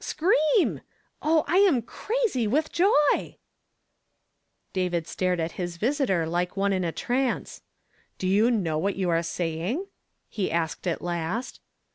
scream ! Oh, I am crazy with joy !" David stared at his visitor like one in a trance. "Do you know what you are saying?" he' asked at last.